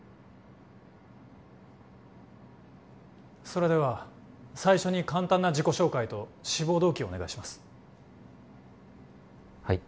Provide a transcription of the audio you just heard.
それでは最初に簡単な自己紹介と志望動機をお願いしますはい